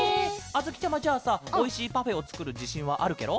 あづきちゃまじゃあさおいしいパフェをつくるじしんはあるケロ？